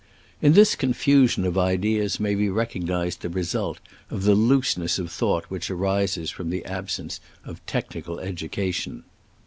In this confusion of ideas may be re cognized the result of the looseness of thought which arises from the absence of technical education.